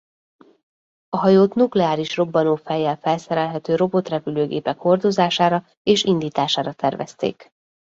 A hajót nukleáris robbanófejjel felszerelhető robotrepülőgépek hordozására és indítására tervezték.